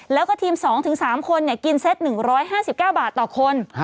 แล้วก็ทีม๒๓คนกินเซ็ต๑๕๙บาทต่อคน